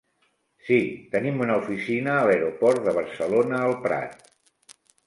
Sí, tenim una oficina a l'aeroport de Barcelona El Prat.